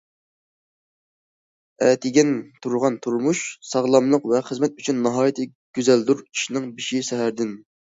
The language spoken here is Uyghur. ئەتىگەن تۇرغان تۇرمۇش، ساغلاملىق ۋە خىزمەت ئۈچۈن ناھايىتى گۈزەلدۇر ئىشنىڭ بېشى سەھەردىن.